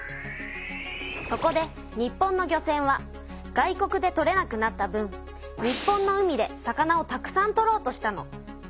そこで日本の漁船は外国で取れなくなった分日本の海で魚をたくさん取ろうとしたの。